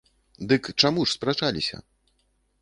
Дык чаму ж спрачаліся?